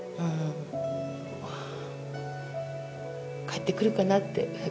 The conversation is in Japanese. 帰ってくるかなって。